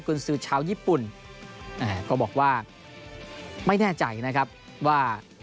คุณซื้อชาวญี่ปุ่นก็บอกว่าไม่แน่ใจนะครับว่า